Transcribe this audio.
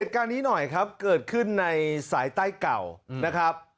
การนี้หน่อยครับเกิดขึ้นในสายใต้เก่านะครับ